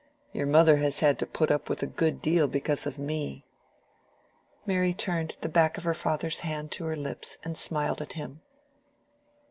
Your mother has had to put up with a good deal because of me." Mary turned the back of her father's hand to her lips and smiled at him.